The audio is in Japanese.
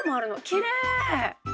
きれい！